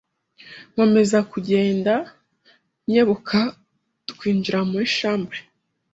nkomeza kugenda nkebuka twinjira muri chambre,